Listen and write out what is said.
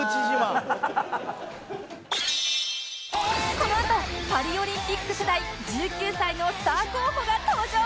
このあとパリオリンピック世代１９歳のスター候補が登場！